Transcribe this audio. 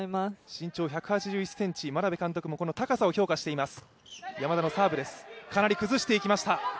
身長１８１ｃｍ、眞鍋監督もこの高さを評価しています。